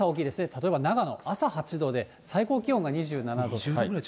例えば長野、朝８度で、最高気温が２７度。